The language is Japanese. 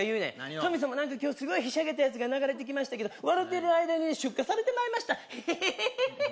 神様何か今日すごいひしゃげたやつが流れてきましたけど笑うてる間に出荷されてまいましたへへへ